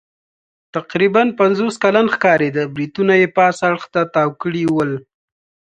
تقریباً پنځوس کلن ښکارېده، برېتونه یې پاس اړخ ته تاو کړي ول.